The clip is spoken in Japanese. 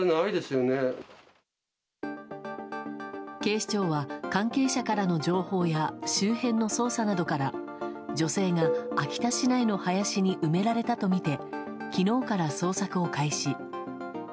警視庁は、関係者からの情報や周辺の捜査などから女性が秋田市内の林に埋められたとみて昨日から捜索を開始。